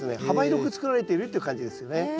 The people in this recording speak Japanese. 幅広く作られているっていう感じですよね。